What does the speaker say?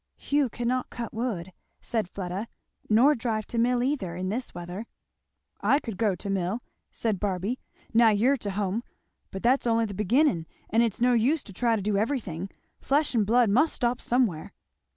"Hugh cannot cut wood!" said Fleda; "nor drive to mill either, in this weather." "I could go to mill," said Barby, "now you're to hum, but that's only the beginning; and it's no use to try to do everything flesh and blood must stop somewhere.